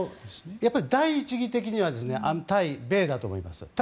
やっぱり第一義的には対米だと思います。